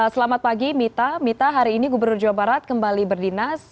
selamat pagi mita mita hari ini gubernur jawa barat kembali berdinas